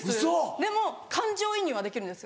でも感情移入はできるんですよ。